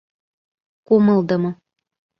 Кумылдымо.